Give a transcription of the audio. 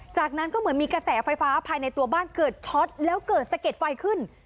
จากนั้นก็เหมือนมีกระแสไฟฟ้าภายในตัวบ้านเกิดช็อตแล้วเกิดสะเก็ดไฟขึ้น